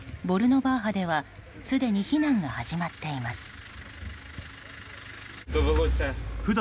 ボルノバーハではすでに避難が始まってます。